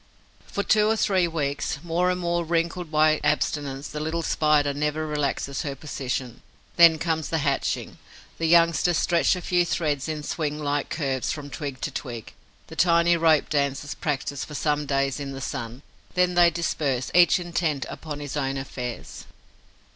For two or three weeks, more and more wrinkled by abstinence, the little Spider never relaxes her position. Then comes the hatching. The youngsters stretch a few threads in swing like curves from twig to twig. The tiny rope dancers practise for some days in the sun; then they disperse, each intent upon his own affairs.